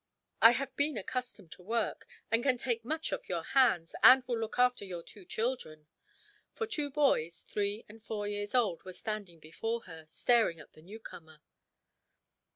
I have been accustomed to work, and can take much off your hands; and will look after your two children;" for two boys, three or four years old, were standing before her, staring at the newcomer.